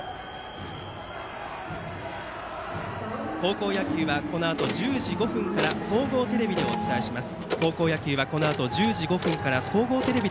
高校野球はこのあと１０時５分から総合テレビでお伝えします。